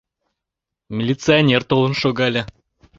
Милиционер толын шогале.